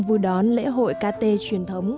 vui đón lễ hội kt truyền thống